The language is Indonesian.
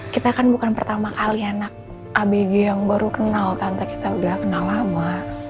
kita kan bukan pertama kali anak abg yang baru kenal tante kita udah kenal lama